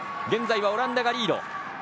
現在はオランダがリード。